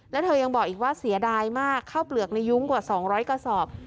แล้วเธอยังบอกอีกว่าเสียดายมากข้าวเปลือกในยุ้งกว่า๒๐๐กระสอบ